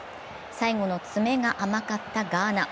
最後の詰めが甘かったガーナ。